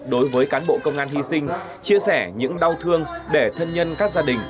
đối với cán bộ công an hy sinh chia sẻ những đau thương để thân nhân các gia đình